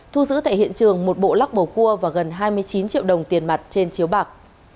thu giữ tại hiện trường một bộ lắc bầu cua và gần hai mươi chín triệu đồng tiền mặt trên chiếu bạc